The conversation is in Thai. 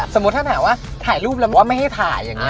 สมมุติถ้าถามว่าถ่ายรูปแล้วไม่ให้ถ่าย